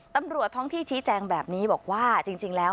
ตำรวจท้องที่ชี้แจงแบบนี้บอกว่าจริงแล้ว